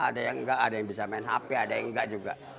ada yang enggak ada yang bisa main hp ada yang enggak juga